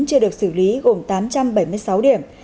chưa được xử lý gồm tám trăm bảy mươi sáu điểm